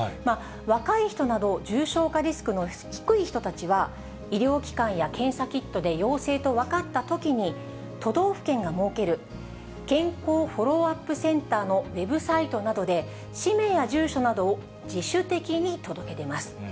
若い人など、重症化リスクの低い人たちは、医療機関や検査キットで陽性と分かったときに、都道府県が設ける健康フォローアップセンターのウエブサイトなどで、氏名や住所などを自主的に届け出ます。